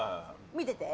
「見てて」